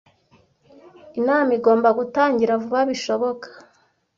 Inama igomba gutangira vuba bishoboka.